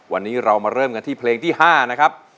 วันนี้เรามาเริ่มกันที่เพลงที่๕นะครับ